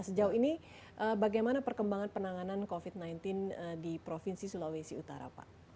sejauh ini bagaimana perkembangan penanganan covid sembilan belas di provinsi sulawesi utara pak